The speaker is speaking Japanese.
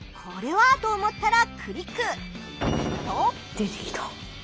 出てきた。